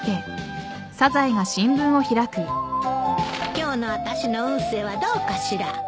今日のあたしの運勢はどうかしら？